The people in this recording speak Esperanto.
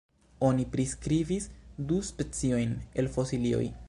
Oni priskribis du speciojn el fosilioj.